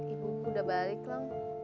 ibu udah balik lho